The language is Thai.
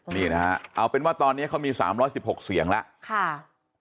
นี่นะฮะเอาเป็นว่าตอนนี้เขามี๓๑๖เสียงแล้ว